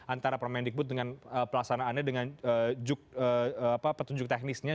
antara permedic booth dengan pelaksanaannya dengan petunjuk teknisnya